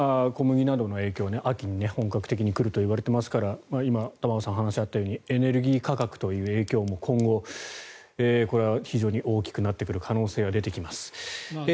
小麦などの影響も秋に本格的に来るといわれていますから今、玉川さんの話にあったようにエネルギー価格という影響も今後、これは非常に大きくなってくる可能性が出てきます。